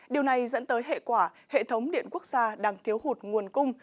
điều này dẫn tới hệ quả hệ thống điện quốc gia đang thiếu hụt nguồn cung